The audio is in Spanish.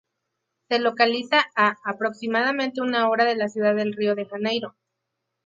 Se localiza a aproximadamente una hora de la ciudad de Río de Janeiro.